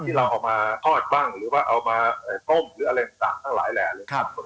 ที่เราเอามาทอดบ้างหรือว่าเอามาต้มหรืออะไรต่างทั้งหลายแหล่เลยครับ